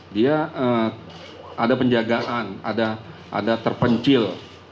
dia ada penjagaan ada terpencil